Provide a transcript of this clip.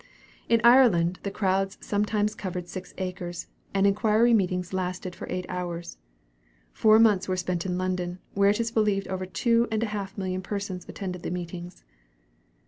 In Ireland the crowds sometimes covered six acres, and inquiry meetings lasted for eight hours. Four months were spent in London, where it is believed over two and a half million persons attended the meetings.